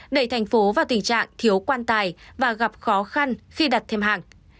đẩy thành phố vào tình trạng thiếu quan tài và gặp khó khăn khi đặt thêm hàng